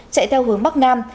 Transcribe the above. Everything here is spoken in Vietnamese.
chạy theo hướng bắc nam